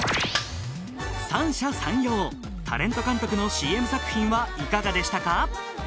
三者三様タレント監督のＣＭ作品はいかがでしたか？